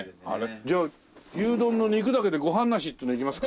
じゃあ牛丼の肉だけでご飯なしっていうのいきますか？